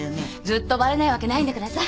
ずっとバレないわけないんだからさ。